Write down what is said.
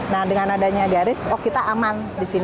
nah dengan adanya garis oh kita aman di sini